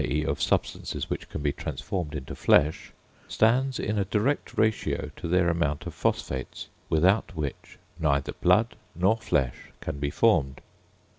e. of substances which can be transformed into flesh, stands in a direct ratio to their amount of phosphates, without which neither blood nor flesh can be formed.